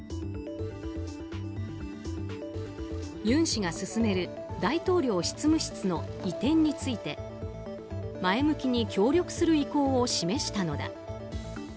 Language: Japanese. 尹氏が進める大統領執務室の移転について前向きに協力する意向を示したのだ。